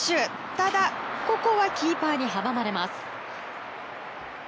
ただ、ここはキーパーに阻まれます。